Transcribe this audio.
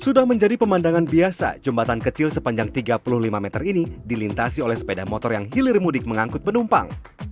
sudah menjadi pemandangan biasa jembatan kecil sepanjang tiga puluh lima meter ini dilintasi oleh sepeda motor yang hilir mudik mengangkut penumpang